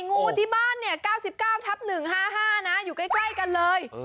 งูที่บ้านเนี้ยเก้าสิบเก้าทับหนึ่งห้าห้านะอยู่ใกล้ใกล้กันเลย